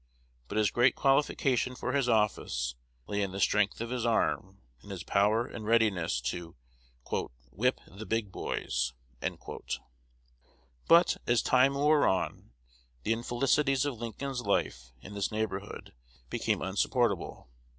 But his great qualification for his office lay in the strength of his arm, and his power and readiness to "whip the big boys." But, as time wore on, the infelicities of Lincoln's life in this neighborhood became insupportable.